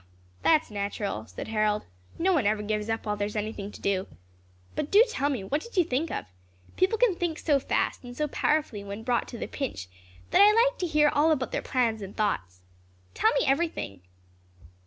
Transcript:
"That is natural," said Harold. "No one ever gives up while there is anything to do. But do tell me, what did you think of? People can think so fast, and so powerfully, when brought to the pinch, that I like to hear all about their plans and thoughts. Tell me everything."